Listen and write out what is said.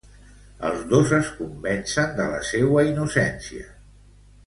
Els dos es convencen de la seua innocència.